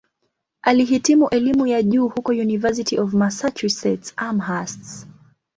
Alihitimu elimu ya juu huko "University of Massachusetts-Amherst".